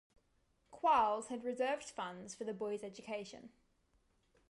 Quarles had reserved funds for the boys' education.